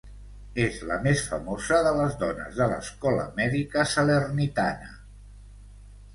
És la més famosa de les dones de l'escola mèdica Salernitana.